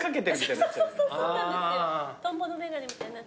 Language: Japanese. トンボの眼鏡みたいに。